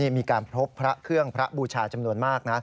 มีการพบพระเครื่องพระบูชาจำนวนมากนะ